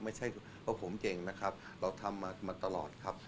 ไม่ใช่เพราะผมเก่งนะครับเราทำมาตลอดครับ